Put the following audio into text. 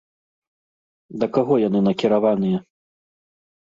Да каго яны накіраваныя?